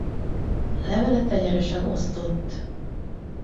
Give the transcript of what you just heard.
Levele tenyeresen osztott.